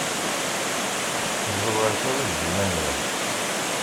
Ẓewret awit-d iman-nwen.